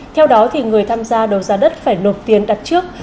theo đó người tham gia đấu giá đất phải nộp tiền đặt trước